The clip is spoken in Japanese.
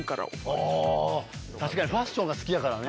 確かにファッションが好きやからね。